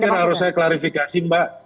saya pikir harus saya klarifikasi mbak